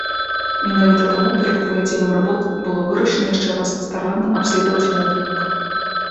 Менавіта таму перад правядзеннем работ было вырашана яшчэ раз старанна абследаваць могільнік.